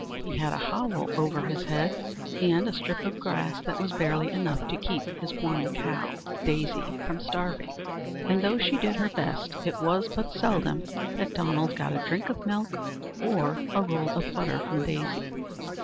He had a hovel over his head and a strip of grass that was barely enough to keep his one cow, Daisy, from starving, and, though she did her best, it was but seldom that Donald got a drink of milk or a roll of butter from Daisy.